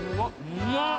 うまっ。